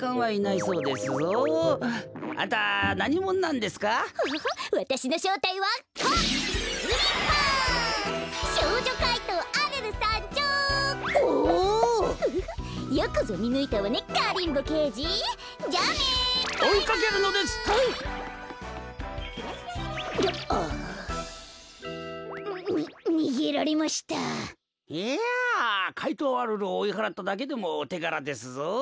いやかいとうアルルをおいはらっただけでもおてがらですぞ。